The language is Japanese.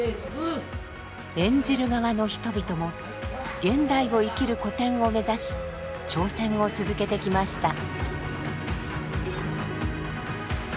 演じる側の人々も現代を生きる古典を目指し挑戦を続けてきました。